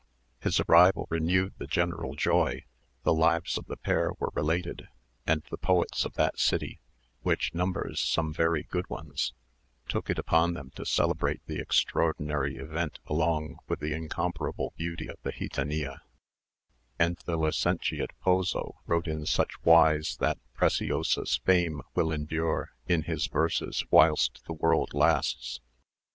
His arrival renewed the general joy; the lives of the pair were related, and the poets of that city, which numbers some very good ones, took it upon them to celebrate the extraordinary event along with the incomparable beauty of the gitanilla; and the licentiate Pozo wrote in such wise, that Preciosa's fame will endure in his verses whilst the world lasts.